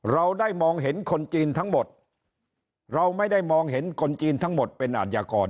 เราได้มองเห็นคนจีนทั้งหมดเราไม่ได้มองเห็นคนจีนทั้งหมดเป็นอาชญากร